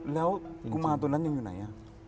แล้วกุมารตัวนั้นยังอยู่ไหน